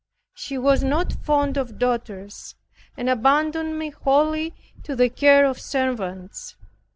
She was not fond of daughters and abandoned me wholly to the care of servants.